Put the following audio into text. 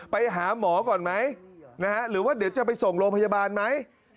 ไปหาหมอก่อนไหมหรือว่าเดี๋ยวจะไปส่งโรงพยาบาลไหม